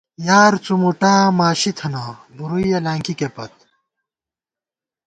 یار څُومُوٹا ماشِی تھنہ، بُورُوئییَہ لانکِکےپت